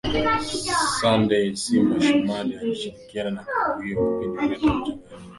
Sunday Simba Shomari alishirikiana na karibu kila kipindi kuleta mchangayiko